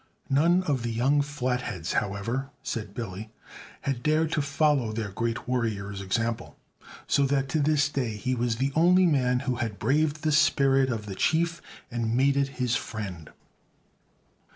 None of the young Flatheads, however, said Billy, had dared to follow their great warrior's example; so that to this day he was the only man who had braved the spirit of the Chief and made it his friend.